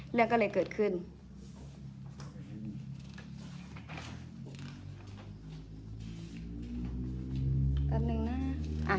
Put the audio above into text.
แชทสิวะ